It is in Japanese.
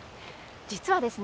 実はですね